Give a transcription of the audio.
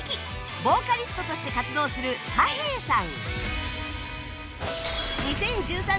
ボーカリストとして活動するはへーさん